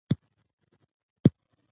سیاسي اختلاف باید د خبرو له لارې حل شي